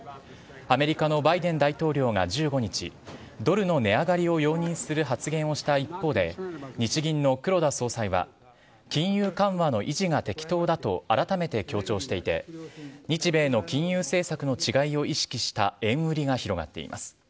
アメリカのバイデン大統領が１５日、ドルの値上がりを容認する発言した一方で、日銀の黒田総裁は、金融緩和の維持が適当だと改めて強調していて、日米の金融政策の違いを意識した円売りが広がっています。